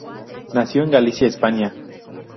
Nació en Galicia, España.